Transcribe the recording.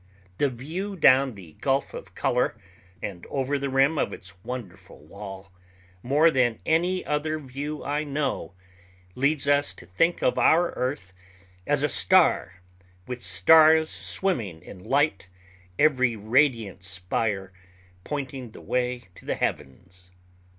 The view down the gulf of color and over the rim of its wonderful wall, more than any other view I know, leads us to think of our earth as a star with stars swimming in light, every radiant spire pointing the way to the heavens.